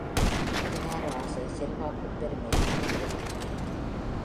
அதிகார ஆசை, செல்வாக்குப் பெருமை ஆகியனவற்றுக்கேயாம்.